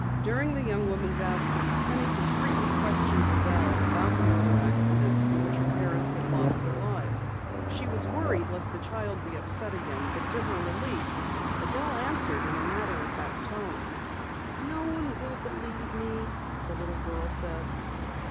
During the young woman's absence, Penny discreetly questioned Adelle about the motor accident in which her parents had lost their lives. She was worried lest the child be upset again, but to her relief Adelle answered in a matter of fact tone. "No one will believe me," the little girl said.